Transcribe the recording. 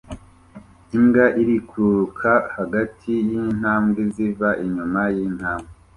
Imbwa irikururuka hagati yintambwe ziva inyuma yintambwe